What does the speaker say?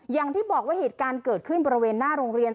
อย่างที่บอกว่าเหตุการณ์เกิดขึ้นบริเวณหน้าโรงเรียน